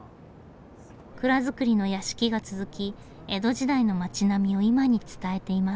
蔵造りの屋敷が続き江戸時代の町並みを今に伝えています。